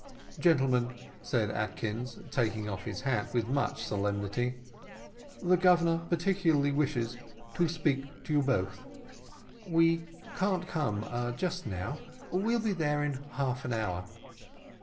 "Gentlemen," said Atkins, taking off his hat with much solemnity, "the Governor particularly wishes to speak to you both." "We can't come just now we'll be there in half an hour."